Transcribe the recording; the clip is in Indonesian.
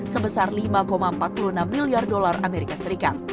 sebesar lima empat puluh enam miliar usd